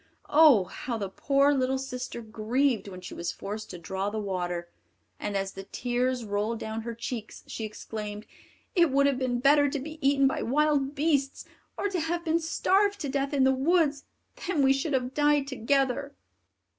Oh! how the poor little sister grieved when she was forced to draw the water; and, as the tears rolled down her cheeks, she exclaimed: "It would have been better to be eaten by wild beasts, or to have been starved to death in the woods; then we should have died together!"